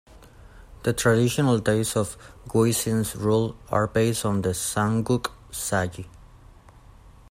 The traditional dates of Guisin's rule are based on the "Samguk Sagi".